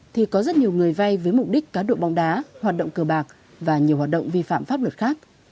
thì có rất nhiều người vay với mục đích cá độ bóng đá hoạt động cờ bạc và nhiều hoạt động vi phạm pháp luật khác